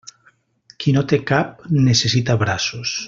Qui no té cap necessita braços.